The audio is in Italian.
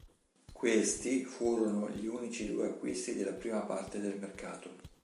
Questi furono gli unici due acquisti della prima parte del mercato.